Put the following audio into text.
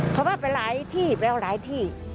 เพราะว่าไปหลายที่ไปแล้วหลายที่